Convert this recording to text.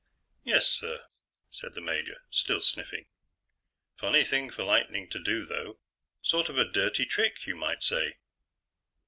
"Yes, sir," said the major, still sniffing. "Funny thing for lightning to do, though. Sort of a dirty trick, you might say."